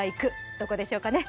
どこでしょうかね。